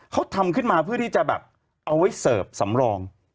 เขาทำขึ้นมาเพื่อที่จะแบบเอาไว้เสิร์ฟสำรอง